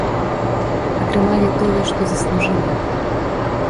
Атрымалі тое, што заслужылі.